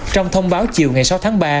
trong thông báo chiều ngày sáu tháng ba